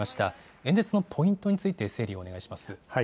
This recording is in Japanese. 演説のポイントについて整理をお願いします。